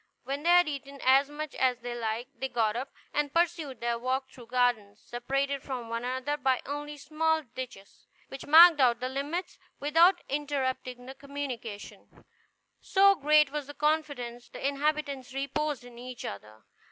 When they had eaten as much as they liked, they got up, and pursued their walk through gardens separated from one another only by small ditches, which marked out the limits without interrupting the communication, so great was the confidence the inhabitants reposed in each other.